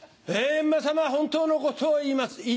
閻魔様本当のことを言います